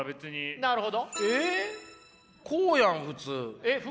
なるほど。